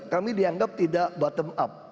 kami dianggap tidak bottom up